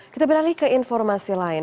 kita beralih ke informasi lain